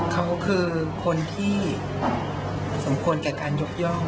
เขาคือคนที่สมควรแก่การยกย่อง